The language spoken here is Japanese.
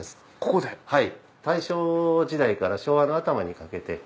大正時代から昭和の頭にかけて。